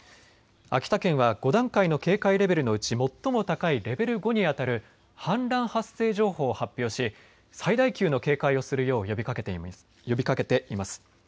秋田県は５段階の警戒レベルのうち最も高いレベル５にあたる氾濫発生情報を発表し最大級の警戒をするよう呼びかけています。